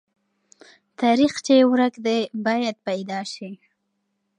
تاریخ چې ورک دی، باید پیدا سي.